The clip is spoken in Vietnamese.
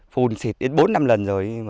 phùn xịt đến bốn năm lần rồi